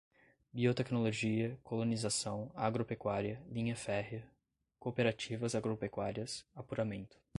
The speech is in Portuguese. biotecnologia, colonização, agro-pecuária, linha férrea, cooperativas agropecuárias, apuramento